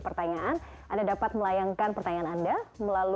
terima kasih atas kebersamaan anda